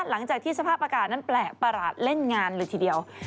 หลังจากที่สภาพอากาศนั้นแปลกประหลาดเล่นงานเลยทีเดียว